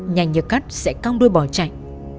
nhanh như cắt sẽ cong đuôi bỏ chạy